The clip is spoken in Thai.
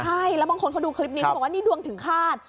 ใช่แล้วบางคนเขาดูคลิปนี้เขาบอกว่านี่ดวงถึงคาด